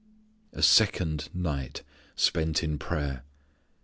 A second night spent in prayer!